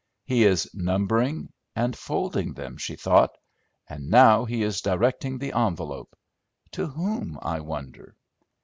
He is numbering and folding them, she thought, and now he is directing the envelope, to whom, I wonder!